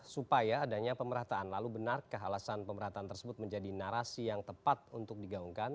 supaya adanya pemerataan lalu benar kehalasan pemerataan tersebut menjadi narasi yang tepat untuk digaungkan